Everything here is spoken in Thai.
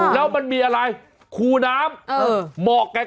ถ้าลงไปแบบนี้